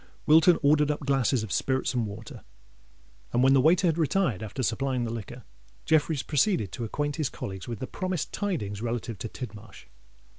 Wilton ordered up glasses of spirits and water; and when the waiter had retired, after supplying the liquor, Jeffreys proceeded to acquaint his colleagues with the promised tidings relative to Tidmarsh.